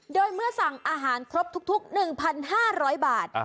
โดยเมื่อสั่งอาหารครบทุก๑๕๐๐บาท